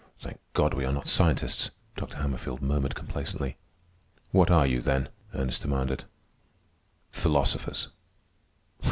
"Thank God we are not scientists," Dr. Hammerfield murmured complacently. "What are you then?" Ernest demanded. "Philosophers."